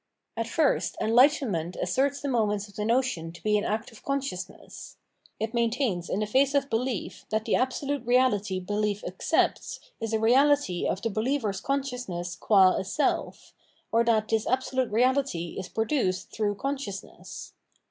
At first enlightenment asserts the moment of the notion to be an act of consciousness ; it maintains in the face of behef that the absolute Keality belief accepts is a Eeality of the believer's consciousness qua a self, or that this absolute Reality is produced through consciousness.